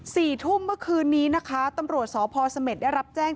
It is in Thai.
สี่ทุ่มเมื่อคืนนี้นะคะตำรวจสพเสม็ดได้รับแจ้ง